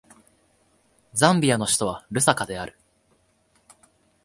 ザンビアの首都はルサカである